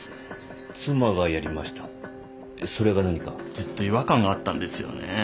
ずっと違和感があったんですよね。